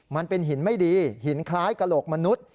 มันเป็นหินไม่ดีหินคล้ายกระโหลกมนุษย์